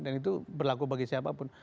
dan itu berlaku bagi siapapun